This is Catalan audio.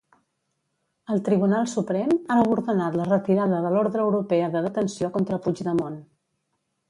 El Tribunal Suprem ha ordenat la retirada de l'ordre europea de detenció contra Puigdemont.